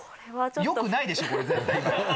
よくないでしょ、これ。